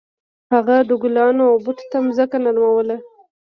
هغه د ګلانو او بوټو ته ځمکه نرموله.